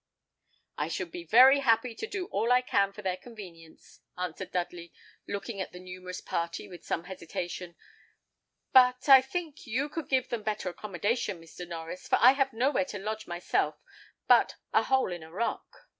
"I shall be very happy to do all I can for their convenience," answered Dudley, looking at the numerous party with some hesitation; "but I think you could give them better accommodation, Mr. Norries, for I have nowhere to lodge myself but a hole in a rock."